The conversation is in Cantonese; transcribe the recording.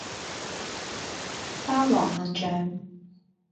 包羅萬象